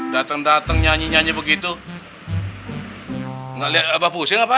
dateng dateng nyanyi nyanyi begitu